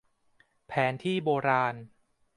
แผนที่โบราณ